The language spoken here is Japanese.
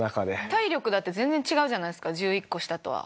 体力だって全然違うじゃないですか１１個下とは。